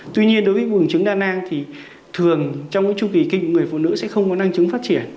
tuy nhiên đối với bùn trứng đa năng thì thường trong chu kỳ kinh người phụ nữ sẽ không có năng chứng phát triển